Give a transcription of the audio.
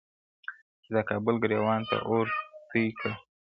چي د کابل ګرېوان ته اور توی که-